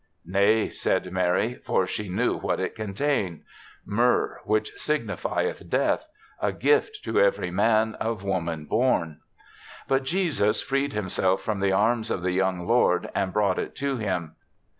" Nay," said Mary, for she knew what it contained: myrrh, which sig nifieth Death — a gift to every man of woman born. t But Jesus freed himself from the arms of the young lord and brought it to him.